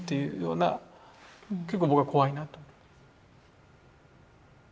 結構僕は怖いなと。